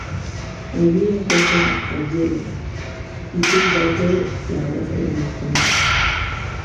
Allí encuentran a Hielo, y Guy Gardner la abraza románticamente.